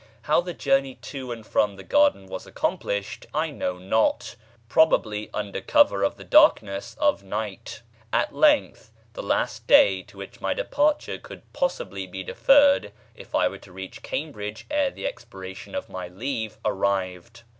How the journey to and from the garden was accomplished I know not: probably under cover of the darkness of night. At length the last day to which my departure could possibly be deferred if I were to reach Cambridge ere the expiration of my leave arrived.